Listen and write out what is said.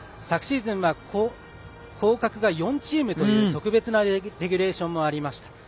昨シーズンは降格が４チームということで特別なレギュレーションもありました。